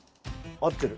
合ってる。